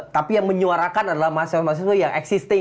tapi yang menyuarakan adalah mahasiswa mahasiswa yang existing